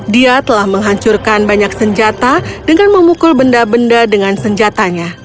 dia telah menghancurkan banyak senjata dengan memukul benda benda dengan senjatanya